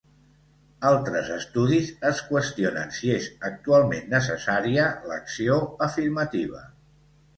Altres estudis es qüestionen si és actualment necessària l'acció afirmativa.